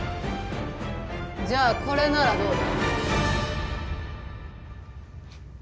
じゃあこれならどうだ？